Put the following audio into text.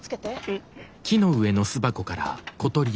うん。